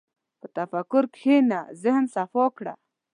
په تفکر کښېنه، ذهن صفا کړه.